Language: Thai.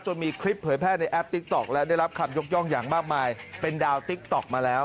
มีคลิปเผยแพร่ในแอปติ๊กต๊อกและได้รับคำยกย่องอย่างมากมายเป็นดาวติ๊กต๊อกมาแล้ว